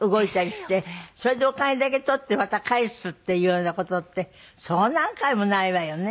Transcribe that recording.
それでお金だけ取ってまた返すっていうような事ってそう何回もないわよね。